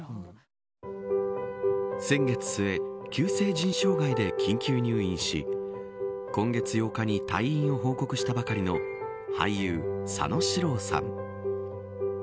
先月末急性腎障害で緊急入院し今月８日に退院を報告したばかりの俳優、佐野史郎さん。